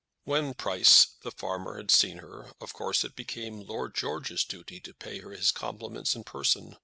When Price, the farmer, had seen her, of course it became Lord George's duty to pay her his compliments in person.